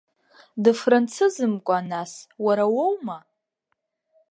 Дыфранцызымкәа, нас, уара уоума?